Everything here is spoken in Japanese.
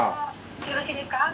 よろしいですか？